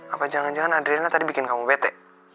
apa jangan jangan adrina tadi bikin kamu bete